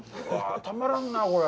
たまらんなぁ、これ。